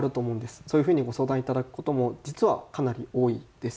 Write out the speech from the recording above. そういうふうにご相談いただくことも実はかなり多いです。